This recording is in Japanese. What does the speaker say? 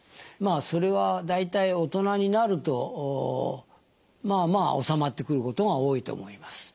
それは大体大人になるとまあまあおさまってくることが多いと思います。